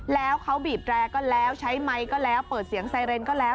แล้วเขาบีบแรร์ก็แล้วใช้ไมค์ก็แล้วเปิดเสียงไซเรนก็แล้ว